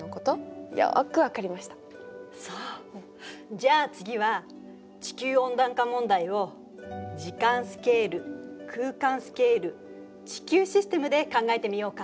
じゃあ次は地球温暖化問題を時間スケール空間スケール地球システムで考えてみようか。